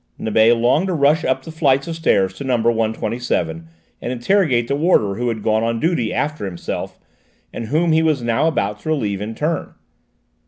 Nibet longed to rush up the flights of stairs to number 127 and interrogate the warder who had gone on duty after himself, and whom he was now about to relieve in turn.